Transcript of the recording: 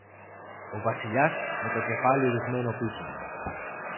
Ο Βασιλιάς, με το κεφάλι ριχμένο πίσω